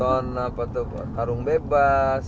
nonton apa tuh tarung bebas